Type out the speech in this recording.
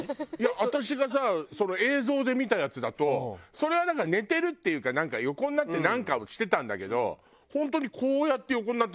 私がさ映像で見たやつだとそれはだから寝てるっていうか横になってなんかをしてたんだけど本当にこうやって横になってたのよ。